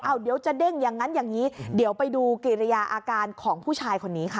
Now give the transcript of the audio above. เดี๋ยวจะเด้งอย่างนั้นอย่างนี้เดี๋ยวไปดูกิริยาอาการของผู้ชายคนนี้ค่ะ